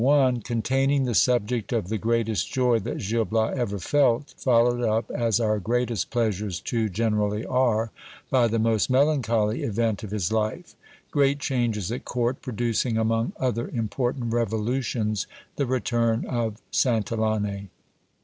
— Containing the subject of the greatest joy that Gil Bias ever felt, followed up, as our greatest pleasures too generally are, by the most melancholy event of his life. Great changes at court, producing, among other important revolutions, the return of Santillane.